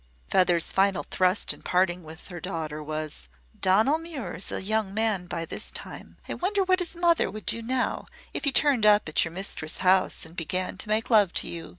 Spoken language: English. Feather's final thrust in parting with her daughter was: "Donal Muir is a young man by this time. I wonder what his mother would do now if he turned up at your mistress' house and began to make love to you."